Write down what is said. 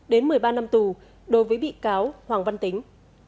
đối với bị cáo hoàng văn tính